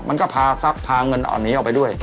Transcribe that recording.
มันก็พาเงินอันนี้ออกไปด้วย